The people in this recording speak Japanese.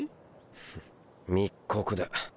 フッ密告だ。